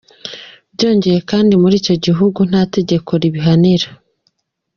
Byongeye kandi muri icyo gihugu nta tegeko ribihanira.